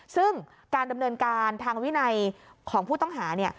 ซึ่งการดำเนินการทางวินัยของผู้ต้องหา